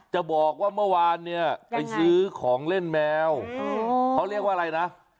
จะบอกว่าเมื่อวานเนี่ยไปซื้อของเล่นแมวเขาเรียกว่าอะไรนะ